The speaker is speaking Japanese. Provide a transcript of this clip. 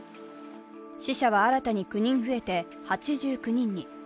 死者は新たに９人増えて８９人に。